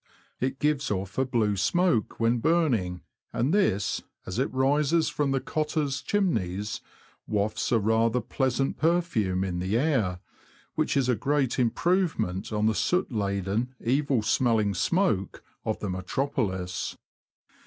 It gives off a blue smoke when burning, and this, as it rises from the cottars' chimneys, wafts a rather pleasant perfume in the air, which is a great improvement on the soot laden, evil smelling smoke of the metropolis.